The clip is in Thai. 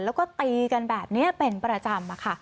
แล้วก็ตีกันแบบนี้เป็นประจำค่ะ